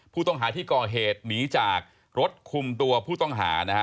ผู้ต้องหาที่ก่อเหตุหนีจากรถคุมตัวผู้ต้องหานะฮะ